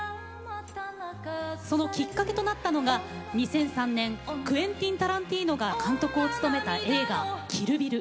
そのきっかけとなったのが２００３年クエンティン・タランティーノが監督を務めた映画「キル・ビル」。